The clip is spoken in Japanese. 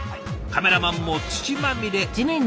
カメラマンも土まみれ。